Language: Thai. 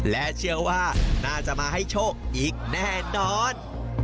และเชื่อว่าน่าจะมาให้โชคอีกแน่นอน